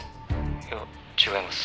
「いや違います。